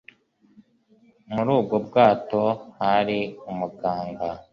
Muri ubwo bwato hari umuganga